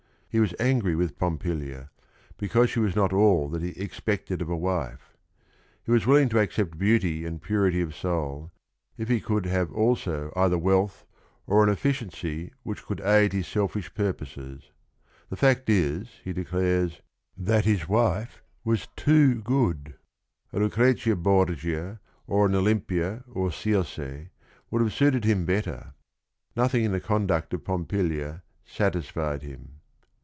He was angry with Pompilia, because she was not all tha i he expected of a wife. He~~was~lvilfihg to accepT beauty and purity of soul, if he could have also either wealth or an efficiency which could aid his selfish purposes. The fact is, he declares, that his wife was too good; a Lucretia Borgia or an Olimpia or Circe would have suited him better. Nothing in the conduct of Pompilia satisfied him.